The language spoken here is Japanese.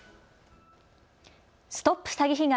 ＳＴＯＰ詐欺被害！